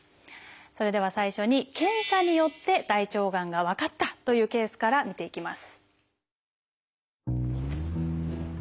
それでは最初に検査によって大腸がんが分かったというケースから見ていきます。